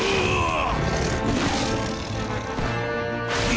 ああ。